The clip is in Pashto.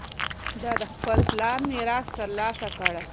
ده د خپل پلار میراث ترلاسه کړی و